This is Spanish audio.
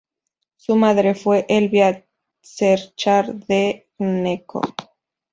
Su madre fue Elvia Cerchar de Gnecco.